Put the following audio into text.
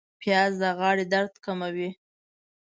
پیاز د غاړې درد کموي